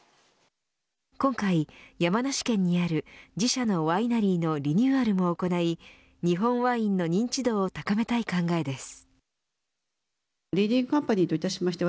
今回、山梨県にある自社のワイナリーのリニューアルを行い日本ワインの認知度を高めたい考えです。